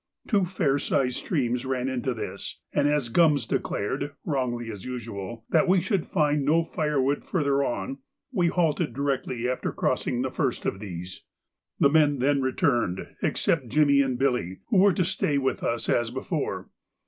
Two fair sized streams ran into this, and as Gums declared, wrongly as usual, that we should find no firewood further on, we halted directly after crossing the first of these. The men then returned, except Jimmy and Billy, who were to stay with us as before.